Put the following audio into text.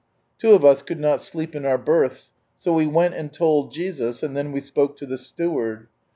Two of us could not sleep in our berths : so we " went and told Jesus," and then we spoke to the steward.